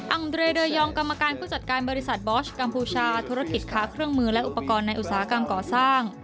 องเรเดอร์ยองกรรมการผู้จัดการบริษัทบอสกัมพูชาธุรกิจค้าเครื่องมือและอุปกรณ์ในอุตสาหกรรมก่อสร้าง